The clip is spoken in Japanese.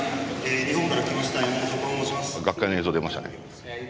学会の映像出ましたね。